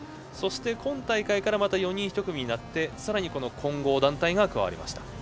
今大会から４人１組になりさらに、この混合団体が加わりました。